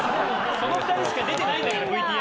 その２人しか出てないんだからＶＴＲ。